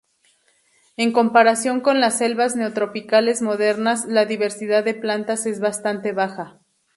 En comparación con las selvas neotropicales modernas, la diversidad de plantas es bastante baja.